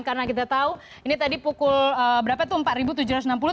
karena kita tahu ini tadi pukul berapa tuh empat ribu tujuh ratus enam puluh